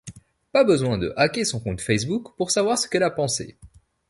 Pas besoin de hacker son compte Facebook pour savoir ce qu’elle a pensé.